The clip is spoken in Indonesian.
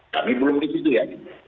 tapi belum disitu ya